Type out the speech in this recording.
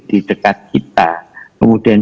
di dekat kita kemudian